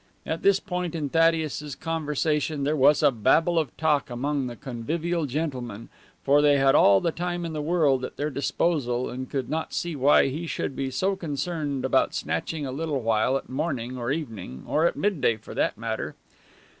At this point in Thaddeus's conversation there was a babble of talk among the convivial gentlemen, for they had all the time in the world at their disposal and could not see why he should be so concerned about snatching a little while at morning or evening, or at midday for that matter.